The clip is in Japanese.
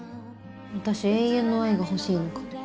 私永遠の愛が欲しいのかも。